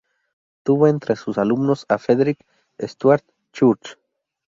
Tuvo entre sus alumnos a Frederick Stuart Church.